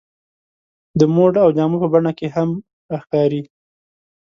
د موډ او جامو په بڼه کې هم راښکاري.